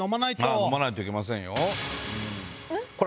飲まないといけませんよ。